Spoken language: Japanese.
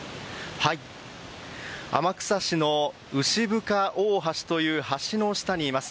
天草市の牛深ハイヤ大橋という橋の下にいます。